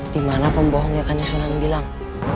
dimana pembohong yang kan sudah menggilang